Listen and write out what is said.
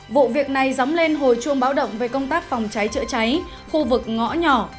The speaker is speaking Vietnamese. vụ việc này dóng lên hồi chuông báo động về công tác phòng cháy chữa cháy khu vực ngõ nhỏ